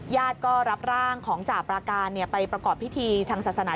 ญาติก็รับร่างของจ่าปราการไปประกอบพิธีทางศาสนา